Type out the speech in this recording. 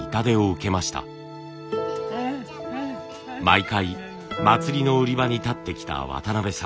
毎回祭りの売り場に立ってきた渡邊さん。